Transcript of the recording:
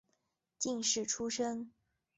进士出身。